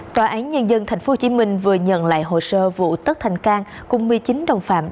tòa án nhân dân tp hcm vừa nhận lại hồ sơ vụ tất thành cang cùng một mươi chín đồng phạm